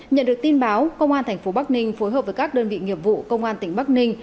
nhận được tin báo công an thành phố bắc ninh phối hợp với các đơn vị nghiệp vụ công an tỉnh bắc ninh